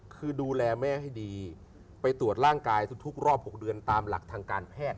คือดูแลแม่ให้ดีไปตรวจร่างกายทุกรอบ๖เดือนตามหลักทางการแพทย์